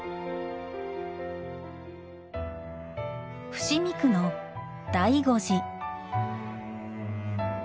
伏見区の醍醐寺。